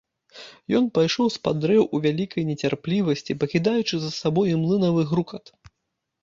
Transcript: Ён пайшоў з-пад дрэў у вялікай нецярплівасці, пакідаючы за сабою млынавы грукат.